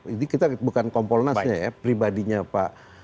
ini kita bukan kompolnasnya ya pribadinya pak